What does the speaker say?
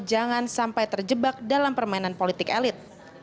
jangan sampai terjebak dalam permainan politik elit